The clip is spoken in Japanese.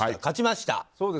勝ちました。